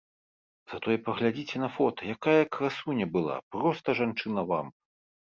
Затое паглядзіце на фота, якая красуня была, проста жанчына-вамп!